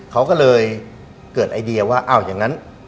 เขาก็เลยเกิดไอเดียว่าอ้าวอย่างนั้น